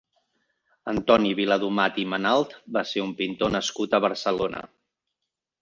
Antoni Viladomat i Manalt va ser un pintor nascut a Barcelona.